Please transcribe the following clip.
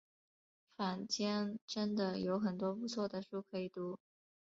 坊间真的有很多不错的书可以读